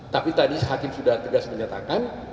tapi tadi hakim sudah tegas menyatakan